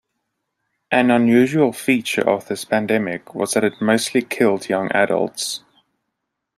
An unusual feature of this pandemic was that it mostly killed young adults.